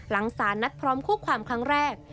สารนัดพร้อมคู่ความครั้งแรก